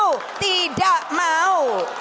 kita tahu kita tahu